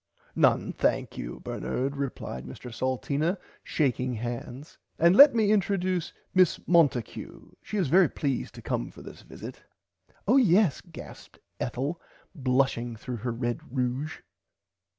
None thankyou Bernard replied Mr Salteena shaking hands and let me introduce [Pg 33] Miss Monticue she is very pleased to come for this visit. Oh yes gasped Ethel blushing through her red ruge.